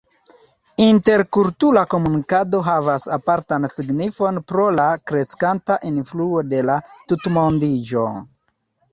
Interkultura komunikado havas apartan signifon pro la kreskanta influo de la tutmondiĝo.